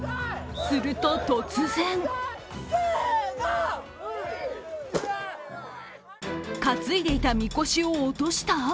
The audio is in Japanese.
すると、突然担いでいたみこしを落とした？